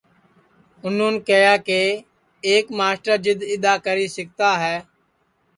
اُنُہون کیہیا کہ ایک مسٹر جِدؔ اِدؔا کری سِکتا ہے